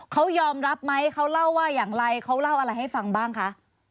เขายอมรับไหมเขาเล่าว่าอย่างไรเขาเล่าอะไรให้ฟังบ้างคะ